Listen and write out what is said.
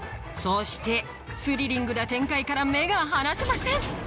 そしてスリリングな展開から目が離せません！